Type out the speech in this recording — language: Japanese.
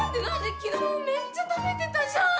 きのう、めっちゃ食べてたじゃん。